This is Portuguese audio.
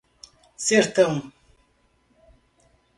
Sertão